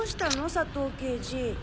佐藤刑事。